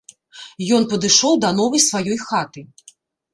Ён падышоў да новай сваёй хаты.